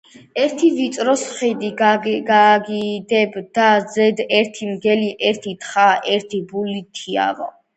ერთ ვიწროს ხიდს გაგიდებ და ზედ ერთი მგელი, ერთი თხა და ერთი ბულული თივა